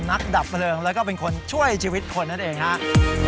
ดับเพลิงแล้วก็เป็นคนช่วยชีวิตคนนั่นเองครับ